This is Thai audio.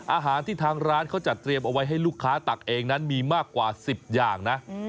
อาหารที่ทางร้านเขาจัดเตรียมเอาไว้ให้ลูกค้าตักเองนั้นมีมากกว่า๑๐อย่างนะ